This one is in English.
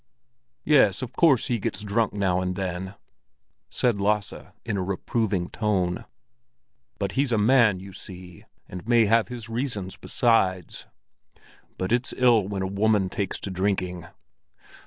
"Yes, of course he gets drunk now and then," said Lasse in a reproving tone. "But he's a man, you see, and may have his reasons besides. But it's ill when a woman takes to drinking."